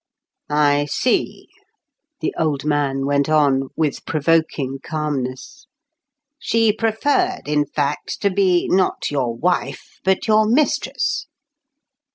"I see," the old man went on with provoking calmness. "She preferred, in fact, to be, not your wife, but your mistress."